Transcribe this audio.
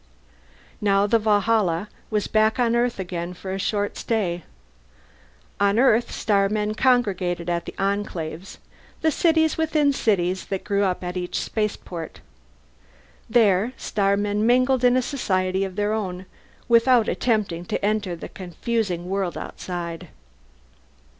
Now the Valhalla was back on Earth again for a short stay. On Earth, starmen congregated at the Enclaves, the cities within cities that grew up at each spaceport. There, starmen mingled in a society of their own, without attempting to enter the confusing world outside.